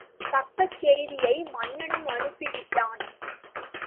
தக்க செய்தியை மன்னனும் அனுப்பிவிட்டான்.